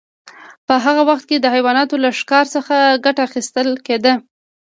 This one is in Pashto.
په هغه وخت کې د حیواناتو له ښکار څخه ګټه اخیستل کیده.